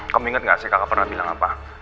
kamu inget gak sih kakak pernah bilang apa